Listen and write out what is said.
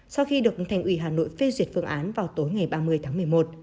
sau khi được thành ủy hà nội phê duyệt phương án vào tối ngày ba mươi tháng một mươi một